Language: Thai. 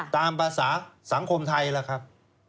ตามภาษาสังคมไทยล่ะครับ